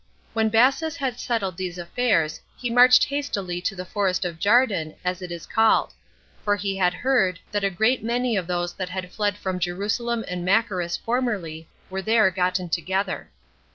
When Bassus had settled these affairs, he marched hastily to the forest of Jarden, as it is called; for he had heard that a great many of those that had fled from Jerusalem and Machaerus formerly were there gotten together.